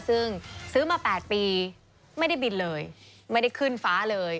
ซึ่งซื้อมา๘ปีไม่ได้บินเลยไม่ได้ขึ้นฟ้าเลย